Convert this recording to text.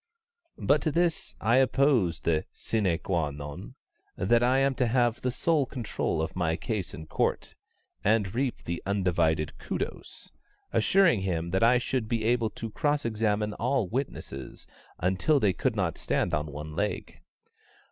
But to this I opposed the sine quâ non that I am to have the sole control of my case in court, and reap the undivided kudos, assuring him that I should be able to cross examine all witnesses until they could not stand on one leg.